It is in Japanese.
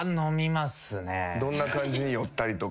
どんな感じに酔ったりとか。